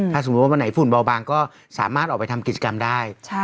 ถ้าสมมุติว่าวันไหนฝุ่นเบาบางก็สามารถออกไปทำกิจกรรมได้